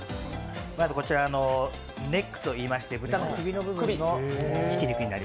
まず、こちらネックといいまして、豚の首の部分です。